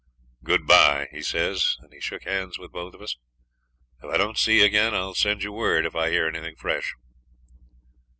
'Good bye,' he says, and he shook hands with both of us; 'if I don't see you again I'll send you word if I hear anything fresh.'